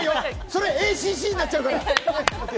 それＡＣＣになっちゃうから！